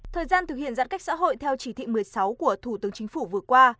thời gian thực hiện giãn cách xã hội theo chỉ thị một mươi sáu của thủ tướng chính phủ vừa qua